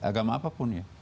agama apapun ya